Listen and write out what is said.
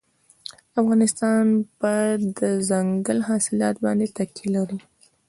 افغانستان په دځنګل حاصلات باندې تکیه لري.